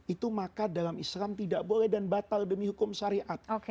itu maka dalam islam tidak boleh dan batal demi hukum syariat